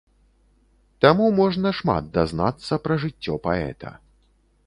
Таму можна шмат дазнацца пра жыццё паэта.